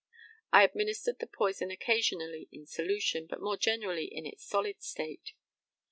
I administered the poison occasionally in solution, but more generally in its solid state.